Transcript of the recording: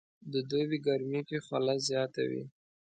د دوبي ګرمي کې خوله زياته وي